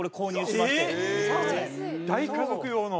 大家族用の。